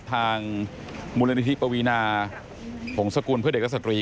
ทางมูลนิธิปวีนาหงษกุลเพื่อเด็กและสตรี